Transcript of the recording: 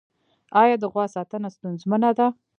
آیا د غوا ساتنه ستونزمنه ده؟